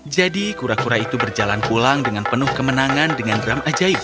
jadi kura kura itu berjalan pulang dengan penuh kemenangan dengan drum ajaib